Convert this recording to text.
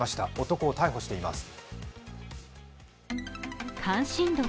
男を逮捕しています。